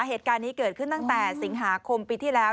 เหตุการณ์นี้เกิดขึ้นตั้งแต่สิงหาคมปีที่แล้ว